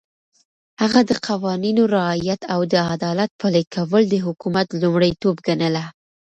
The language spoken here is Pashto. هغه د قوانينو رعایت او د عدالت پلي کول د حکومت لومړيتوب ګڼله.